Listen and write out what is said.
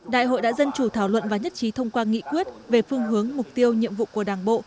đại hội đã dân chủ thảo luận và nhất trí thông qua nghị quyết về phương hướng mục tiêu nhiệm vụ của đảng bộ